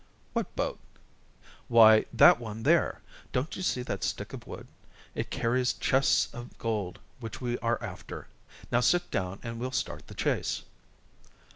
"What boat?" "Why, that one there. Don't you see that stick of wood? It carries chests of gold which we are after. Now sit down and we'll start the chase."